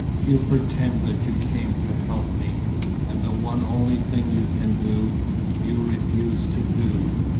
You pretend that you came to help me, and the one only thing you can do, you refuse to do.